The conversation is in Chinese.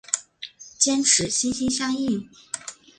坚持心心相印。